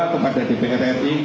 kepada dpk tni